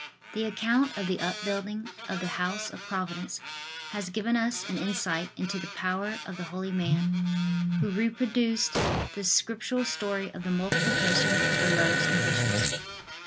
The account of the upbuilding of the House of Providence has given us an insight into the power of the holy man who reproduced the scriptural story of the multiplication of the loaves and fishes.